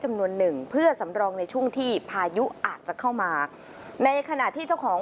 จำนวนหนึ่งเพื่อสำรองในช่วงที่พายุอาจจะเข้ามาในขณะที่เจ้าของ